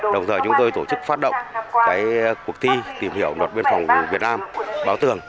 đồng thời chúng tôi tổ chức phát động cuộc thi tìm hiểu luật biên phòng việt nam báo tường